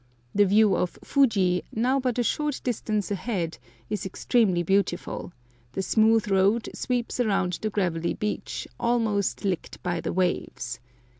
The view of Fuji, now but a short distance ahead, is extremely beautiful; the smooth road sweeps around the gravelly beach, almost licked by the waves.